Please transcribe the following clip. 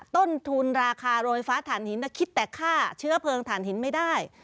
ต้นทุนราคาโรยฟ้าฐานหินคิดแต่ค่าเชื้อเพลิงฐานหินไม่ได้